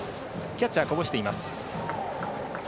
キャッチャー、こぼしています。